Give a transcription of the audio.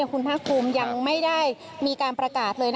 คุณภาคภูมิยังไม่ได้มีการประกาศเลย